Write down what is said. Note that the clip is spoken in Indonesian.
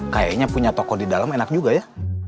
kayaknya punya toko di dalam enak juga ya